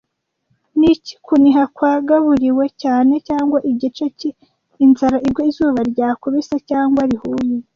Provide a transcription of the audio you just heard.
Niki kuniha kwagaburiwe cyane cyangwa igice cy- inzara igwa izuba ryakubise cyangwa rihuye,